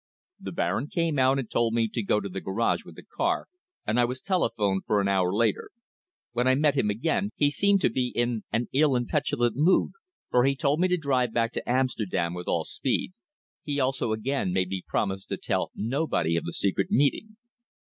"The Baron came out and told me to go to the garage with the car, and I was telephoned for an hour later. When I met him again he seemed to be in an ill and petulant mood, for he told me to drive back to Amsterdam with all speed. He also again made me promise to tell nobody of the secret meeting."